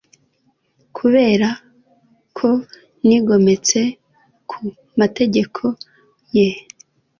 Kubera ko nigometse ku mategeko ye